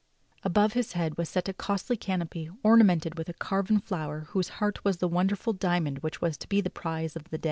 Above his head was set a costly canopy ornamented with a carven flower whose heart was the wonderful diamond which was to be the prize of the day.